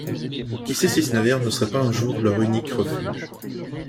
Qui sait si ce navire ne serait pas un jour leur unique refuge